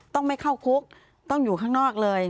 ต้องไม่เข้าคุกต้องอยู่ข้างนอกเลย